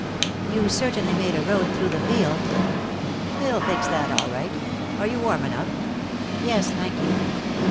"You certainly made a road through the field." "They'll fix that, all right. Are you warm enough?" "Yes, thank you."